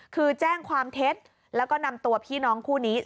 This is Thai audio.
คือแจ้งความเท็จแล้วก็นำตัวพี่น้องคู่นี้